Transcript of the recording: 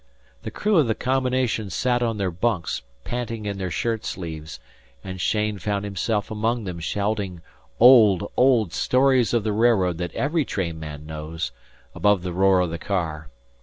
The crew of the combination sat on their bunks, panting in their shirtsleeves, and Cheyne found himself among them shouting old, old stories of the railroad that every trainman knows, above the roar of the car.